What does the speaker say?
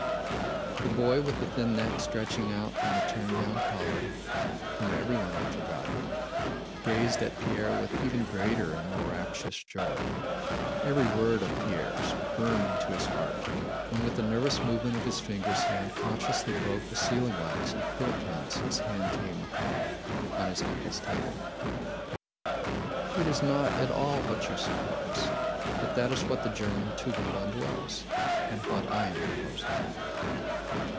The boy with the thin neck stretching out from the turn down collar—whom everyone had forgotten—gazed at Pierre with even greater and more rapturous joy. Every word of Pierre's burned into his heart, and with a nervous movement of his fingers he unconsciously broke the sealing wax and quill pens his hands came upon on his uncle's table. "It is not at all what you suppose; but that is what the German Tugendbund was, and what I am proposing."